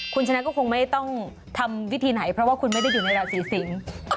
คุณชนะก็คงไม่ต้องทำวิธีไหนเพราะว่าคุณไม่ได้อยู่ในราศีสิงศ์